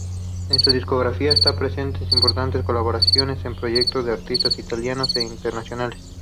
En su discografía están presentes importantes colaboraciones en proyectos de artistas italianos e internacionales.